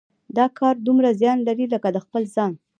دا کار دومره زیان لري لکه د خپل ځان.